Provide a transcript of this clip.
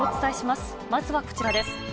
まずはこちらです。